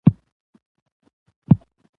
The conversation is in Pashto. مېلې د کوچنيانو د ذهن په وده کښي مهمه ونډه لري.